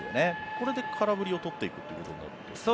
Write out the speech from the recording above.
これで空振りを取っていくことになるんですか？